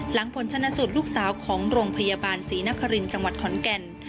หลังผลชนะสูตรลูกสาวของโรงพยาบาลศรีนครินทร์จังหวัดขอนแก่น